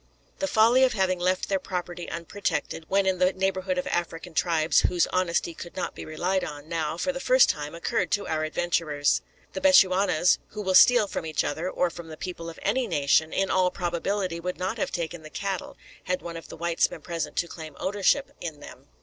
The folly of having left their property unprotected, when in the neighbourhood of African tribes whose honesty could not be relied on, now, for the first time, occurred to our adventurers. The Bechuanas, who will steal from each other, or from the people of any nation, in all probability would not have taken the cattle, had one of the whites been present to claim ownership in them.